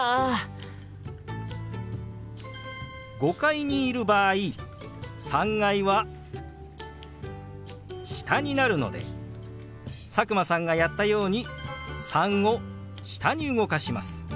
５階にいる場合３階は下になるので佐久間さんがやったように「３」を下に動かします。